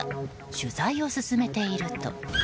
取材を進めていると。